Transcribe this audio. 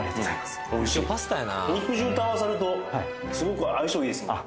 おいしい肉汁と合わさるとすごく相性いいですね